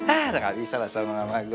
ah udah ga bisa lah sama mamah gitu